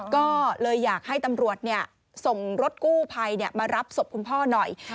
ก็เลยอยากให้ตำรวจส่งรถกู้ภัยมารับศพคุณพ่อหน่อย